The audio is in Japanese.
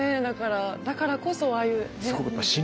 だからだからこそああいうね。